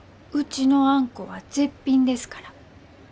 うちのあんこは絶品ですから。